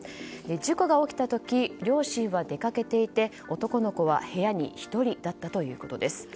事故が起きた時両親は出かけていて男の子は部屋に１人だったということです。